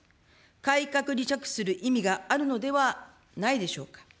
改革に着手する意味があるのではないでしょうか。